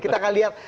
kita akan lihat